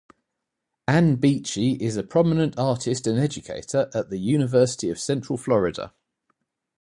Ann Beachy is a prominent artist and educator at the University of Central Florida.